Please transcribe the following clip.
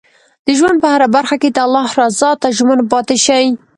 د ژوند په هره برخه کې د الله رضا ته ژمن پاتې شئ.